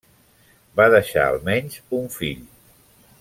Va deixar almenys un fill.